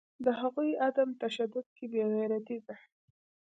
د هغوی عدم تشدد که بیغیرتي ده